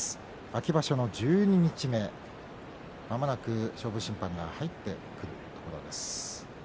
秋場所の十二日目まもなく勝負審判が入ってくるところです。